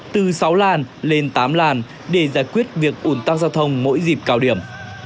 từ sáu làn lên tám làn để giải quyết việc ủn tắc giao thông mỗi dịp cao điểm